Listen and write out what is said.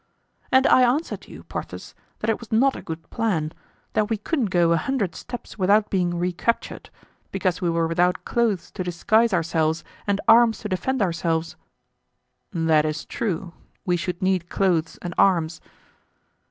"And I answered you, Porthos, that it was not a good plan; that we couldn't go a hundred steps without being recaptured, because we were without clothes to disguise ourselves and arms to defend ourselves." "That is true; we should need clothes and arms."